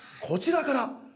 こちらから？